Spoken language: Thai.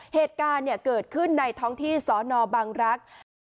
เหตุการณ์เกิดขึ้นในท้องที่สนบังรักษ์